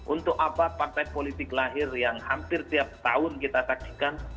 untuk apa partai politik lahir yang hampir tiap tahun kita saksikan